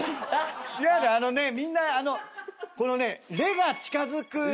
あのねみんなこのねレが近づく。